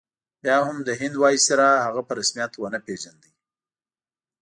بیا هم د هند ویسرا هغه په رسمیت ونه پېژانده.